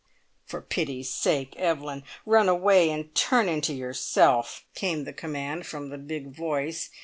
"For pity's sake, Evelyn, run away and turn into yourself!" came the command from the big voice.